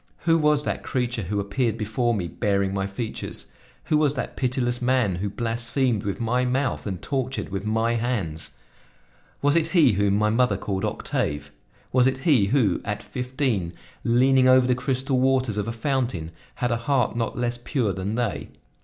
Who was that creature who appeared before me bearing my features? Who was that pitiless man who blasphemed with my mouth and tortured with my hands? Was it he whom my mother called Octave? Was it he who, at fifteen, leaning over the crystal waters of a fountain, had a heart not less pure than they?